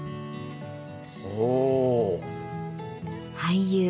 おお！